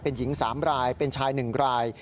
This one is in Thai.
เป็นหญิง๓รายเป็นชาย๑ราย